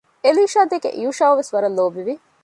އެލީޝާދެކެ ޔޫޝައުވެސް ވަރަށް ލޯބިވި